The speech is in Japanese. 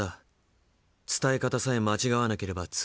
伝え方さえ間違わなければ通じ合える。